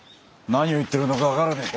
何を言ってるのか分からねえ。